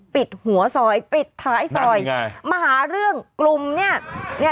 ปิดหัวซอยปิดท้ายซอยมาหาเรื่องกลุ่มเนี่ย